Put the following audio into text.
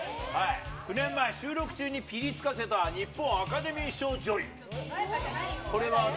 ９年前、収録中にぴりつかせた日本アカデミー賞女優。